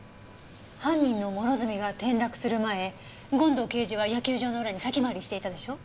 犯人の諸角が転落する前権藤刑事は野球場の裏に先回りしていたでしょ？